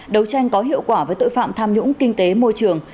đấu tranh có hiệu quả với tội phạm tham nhũng kinh tế môi trường